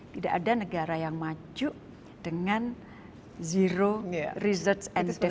tidak ada negara yang maju dengan zero research and then